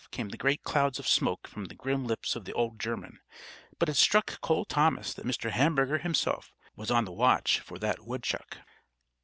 came the great clouds of smoke from the grim lips of the old German, but it struck Cole Thomas that Mr. Hamburger himself was on the watch for that woodchuck.